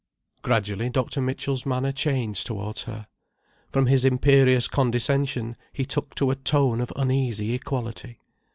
Gradually Dr. Mitchell's manner changed towards her. From his imperious condescension he took to a tone of uneasy equality.